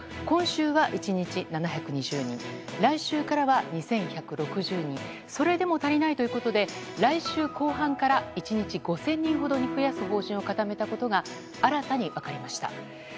今週は１日７２０人来週からは２１６０人それでも足りないということで来週後半から１日５０００人ほどに増やす方針を固めたことが新たに分かりました。